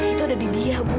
itu ada di bia bu